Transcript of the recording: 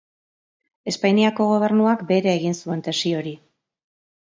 Espainiako gobernuak bere egin zuen tesi hori.